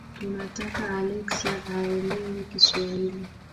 Tunataka Alexa aelewe Kiswahili